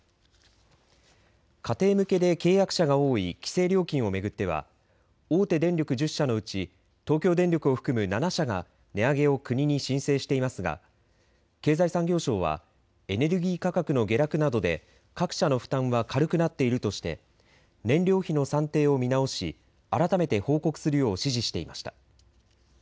家庭向けで契約者が多い規制料金を巡っては大手電力１０社のうち東京電力を含む７社が値上げを国に申請していますが経済産業省はエネルギー価格の下落などで各社の負担は軽くなっているとして燃料費の算定を見直し改めて報告するよう指示していました。